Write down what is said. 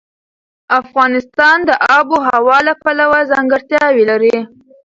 افغانستان د آب وهوا له پلوه ځانګړتیاوې لري.